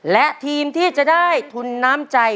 และทีมที่จะได้ทุนน้ำใจ